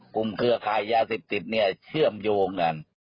กลุ่มเครือคายาเสพติดเชื่อมโยง